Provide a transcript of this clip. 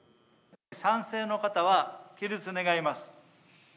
賛成の方は起立願います。